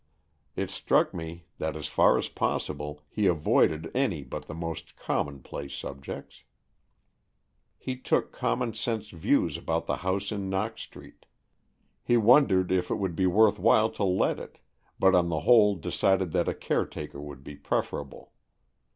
It struck me that as far as possible he avoided any but the most commonplace subjects. He took common sense views about the house in Knox Street. He wondered if it would be worth while to let it, but on the whole decided that a caretaker would be preferable.